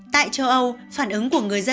tại châu âu phản ứng của người dân